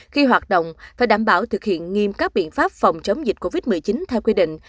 khi hoạt động phải đảm bảo thực hiện nghiêm các biện pháp phòng chống dịch covid một mươi chín theo quy định